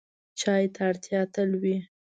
چای ته اړتیا تل وي.